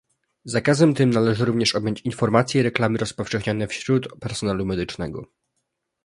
Zakazem tym należy również objąć informacje i reklamy rozpowszechniane wśród personelu medycznego